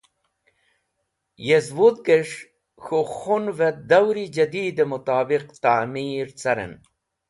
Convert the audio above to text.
Yezwudhges̃h, K̃hu Khunve dawri jadied e Mutobiq ta’mir caren.